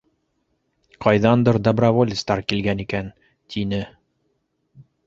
Ҡайҙандыр доброволецтар килгән икән, — тине.